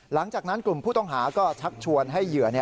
หลังจากนั้นกลุ่มผู้ต้องหาก็ชักชวนให้เหยื่อ